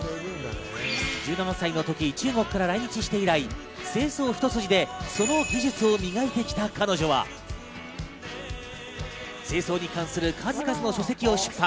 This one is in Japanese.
１７歳のとき中国から来日して以来、清掃一筋でその技術を磨いてきた彼女は、清掃に関する数々の書籍を出版。